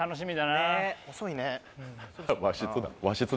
ね遅いね。